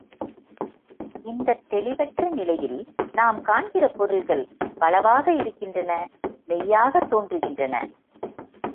இந்தத் தெளிவற்ற நிலையில் நாம் காண்கிற பொருள்கள் பலவாக இருக்கின்றன மெய்யாகத் தோன்றுகின்றன.